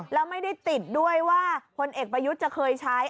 แล้วไม่ได้ติดด้วยว่าพลเอกประยุทธ์จะเคยใช้